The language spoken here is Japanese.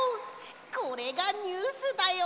これがニュースだよ！